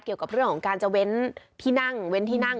เกี่ยวกับเรื่องของการจะเว้นที่นั่งเว้นที่นั่ง